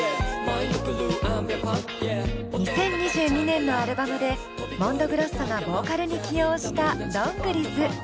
２０２２年のアルバムでＭＯＮＤＯＧＲＯＳＳＯがボーカルに起用したどんぐりず。